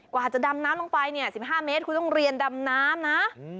กว่าจะดำน้ำลงไป๑๕เมตรคุณต้องเรียนดำน้ำนะ